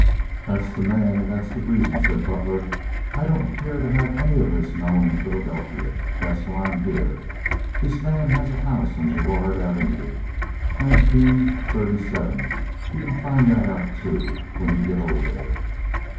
"That's the man, and that's the reason," said Butler. "I don't care to have anything of this known in Philadelphy. That's why I'm here. This man has a house on Girard Avenue—Nineteen thirty seven. You can find that out, too, when you get over there."